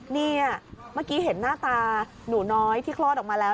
นี่เมื่อกี้เห็นหน้าตาหนูน้อยที่คลอดออกมาแล้ว